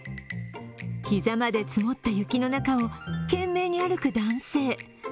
膝まで積もった雪の中を懸命に歩く男性。